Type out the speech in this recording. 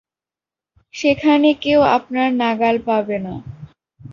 সেখানে কেউ আপনার নাগাল পাবে না।